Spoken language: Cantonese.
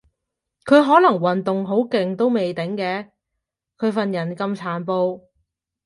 佢可能運動好勁都未定嘅，佢份人咁殘暴